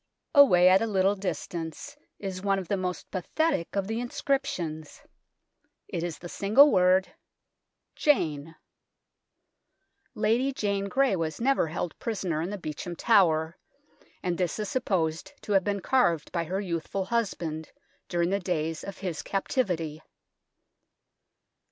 Away at a little distance is one of the most pathetic of the inscriptions. It is the single no THE TOWER OF LONDON word " Jane." Lady Jane Grey was never held prisoner in the Beauchamp Tower, and this is supposed to have been carved by her youthful husband during the days of his captivity.